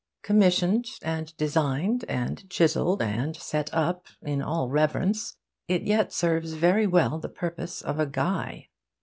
Commissioned and designed and chiselled and set up in all reverence, it yet serves very well the purpose of a guy.